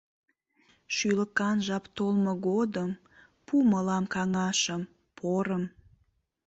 Шӱлыкан жап толмо годым пу мылам каҥашым, порым.